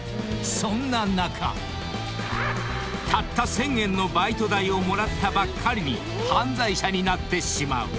そんな中たった１，０００円のバイト代をもらったばっかりに犯罪者になってしまう。